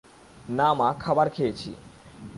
না মা, খাবার খেয়েছি।